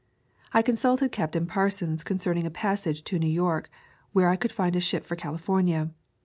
I consulted Captain Parsons concerning a pass age to New York, where I could find a ship for California.